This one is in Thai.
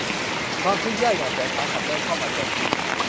ความทุกข์ยากอย่างแสนสาหัสเริ่มเข้ามาแทนที่